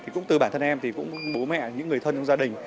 cũng từ bản thân em bố mẹ những người thân trong gia đình